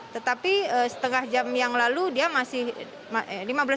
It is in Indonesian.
tetapi setengah jam yang lalu